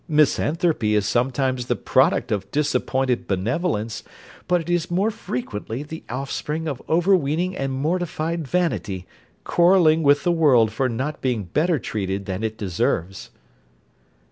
Misanthropy is sometimes the product of disappointed benevolence; but it is more frequently the offspring of overweening and mortified vanity, quarrelling with the world for not being better treated than it deserves.